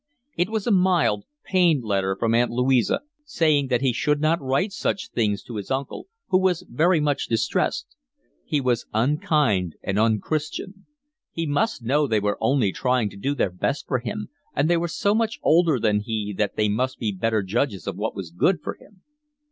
It was a mild, pained letter from Aunt Louisa, saying that he should not write such things to his uncle, who was very much distressed. He was unkind and unchristian. He must know they were only trying to do their best for him, and they were so much older than he that they must be better judges of what was good for him.